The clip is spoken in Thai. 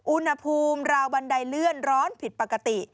อุณหภูมิราวบันไดเลื่อนร้อนผิดปกติ